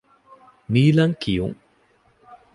ނީލަން ކިޔުން